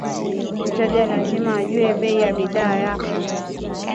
Mteja lazima ajue bei ya bidhaa yako